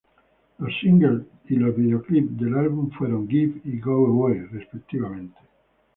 Los singles y los videoclips del álbum fueron "Give" y "Go Away" respectivamente.